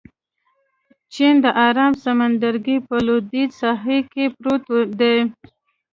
چین د ارام سمندرګي په لوېدیځ ساحل کې پروت دی.